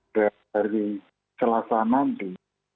dari selasa nanti